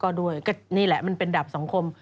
ก็ด้วยก็นี่แหละมันเป็นดับสังคม